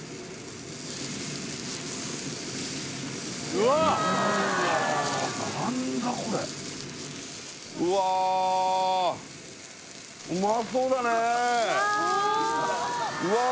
うわ何だこれうわうまそうだねうわ